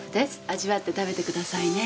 味わって食べてくださいね。